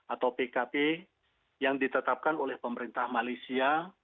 atau pkp yang ditetapkan oleh pemerintah malaysia